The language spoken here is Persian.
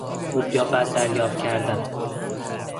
خوب یا بد دریافت کردن